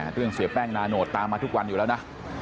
เรื่องเสียแป้งนานโหดตามมาทุกวันอยู่แล้วนะ